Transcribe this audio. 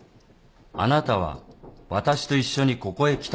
あなたは私と一緒にここへ来たんです。